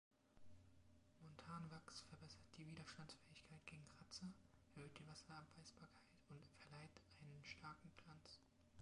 Montanwachs verbessert die Widerstandsfähigkeit gegen Kratzer, erhöht die Wasserabweisbarkeit und verleiht einen starken Glanz.